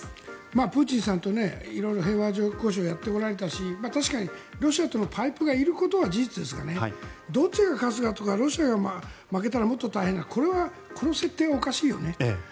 プーチンさんと色々平和交渉をやってこられたし確かにロシアとのパイプがいることは事実ですがどっちが勝つかとかロシアが負けたらもっと大変とかこの設定はおかしいよね。